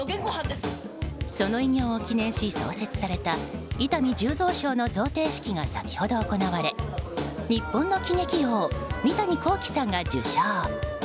その偉業を記念し創設された伊丹十三賞の贈呈式が先ほど行われ日本の喜劇王三谷幸喜さんが受賞。